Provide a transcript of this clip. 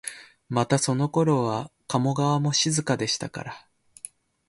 またそのころは加茂川も静かでしたから、